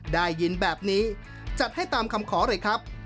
ได้ยินแบบนี้จัดให้ตามคำขอเลยครับ